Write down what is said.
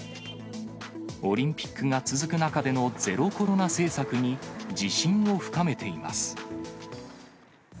オリンピックが続く中でのゼロコロナ政策に自信を深めています。